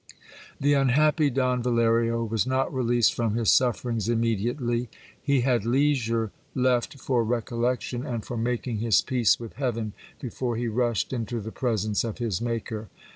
The unhappy Don Valerio was not released from his sufferings immediately. He had leisure left for recollection, and for making his peace with heaven, be fore he rushed into the presence of his Maker.